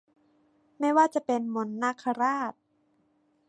ไม่ว่าจะเป็น มนต์นาคราช